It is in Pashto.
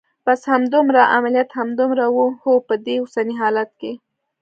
بس همدومره؟ عملیات همدومره و؟ هو، په دې اوسني حالت کې.